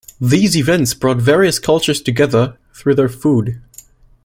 These events brought various cultures together, through their food.